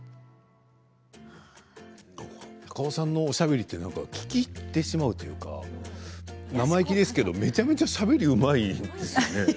高尾さんのおしゃべりって何か聞き入ってしまうというか生意気ですけどめちゃめちゃしゃべりうまいですよね。